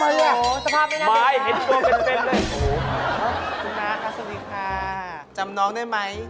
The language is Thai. ทำไมนี่สภาพไม่ได้นะสวัสดีค่ะจำน้องได้ไหม